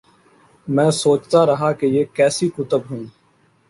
میں سوچتارہا کہ یہ کیسی کتب ہوں۔